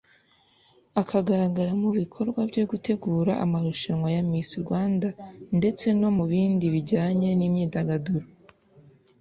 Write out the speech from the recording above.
akagaragara mu bikorwa byo gutegura amarushanwa ya Miss Rwanda ndetse no mu bindi bijyanye n’imyidagaduro